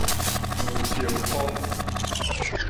余清芳